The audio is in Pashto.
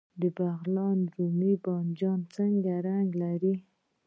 د بغلان رومي بانجان څه رنګ لري؟